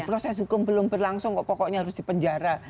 proses hukum belum berlangsung kok pokoknya harus dipenjara